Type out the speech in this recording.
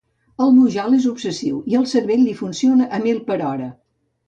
El Mujal és obsessiu i el cervell li funciona a mil per hora.